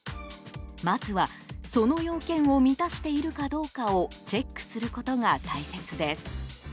まずは、その要件を満たしているかどうかをチェックすることが大切です。